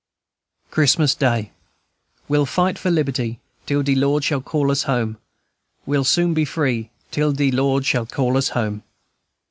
Christmas Day. "We'll fight for liberty Till de Lord shall call us home; We'll soon be free Till de Lord shall call us home."